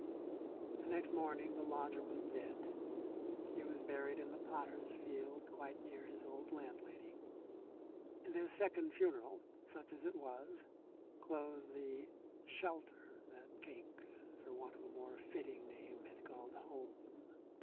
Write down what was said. The next morning the lodger was dead. He was buried in the potters' field quite near his old landlady. This second funeral, such as it was, closed the shelter that Cake, for want of a more fitting name, had called home.